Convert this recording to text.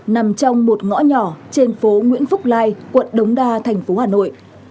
nằm trong một ngõ nhỏ trên phố nguyễn phúc lai quận đống đa tp hà nội